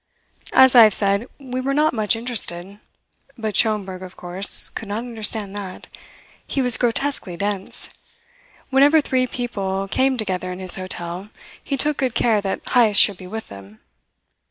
As I have said, we were not much interested; but Schomberg, of course, could not understand that. He was grotesquely dense. Whenever three people came together in his hotel, he took good care that Heyst should be with them.